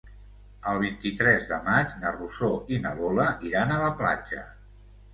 El vint-i-tres de maig na Rosó i na Lola iran a la platja.